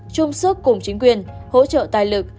chung sức cùng chính quyền hỗ trợ tài lực